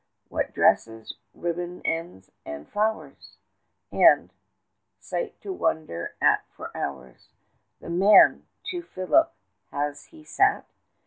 What dresses, ribbon ends, and flowers! 45 And, sight to wonder at for hours, The man, to Phillip has he sat?